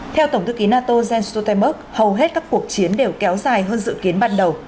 theo tổng thư ký nato jens stoltenberg hầu hết các cuộc chiến đều kéo dài hơn dự kiến ban đầu